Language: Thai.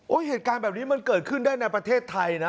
เหตุการณ์แบบนี้มันเกิดขึ้นได้ในประเทศไทยนะ